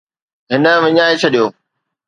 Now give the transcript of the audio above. هن وڃائي ڇڏيو